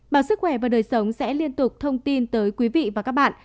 báo sức khỏe và đời sống sẽ liên tục thông tin tới quý vị và các bạn